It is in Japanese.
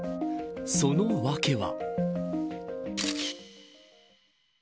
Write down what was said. その訳は。